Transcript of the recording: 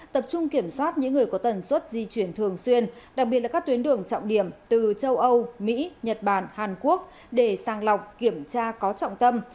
tập trung kiểm soát những người có tần suất di chuyển thường xuyên đặc biệt là các tuyến đường trọng điểm từ châu âu mỹ nhật bản hàn quốc để sang lọc kiểm tra có trọng tâm